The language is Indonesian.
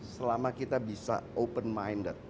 selama kita bisa open minded